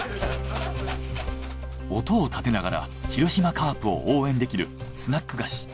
音を立てながら広島カープを応援できるスナック菓子。